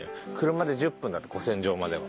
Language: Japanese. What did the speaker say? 車で１０分だって古戦場までは。